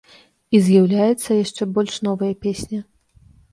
І з'яўляюцца яшчэ больш новыя песні.